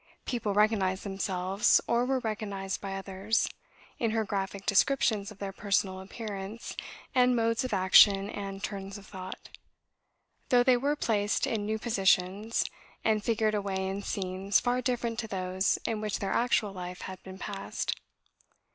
People recognised themselves, or were recognised by others, in her graphic descriptions of their personal appearance, and modes of action and turns of thought; though they were placed in new positions, and figured away in scenes far different to those in which their actual life had been passed.